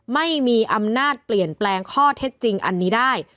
ไม่มีอำนาจเปลี่ยนแปลงข้อเท็จจริงอันนี้ได้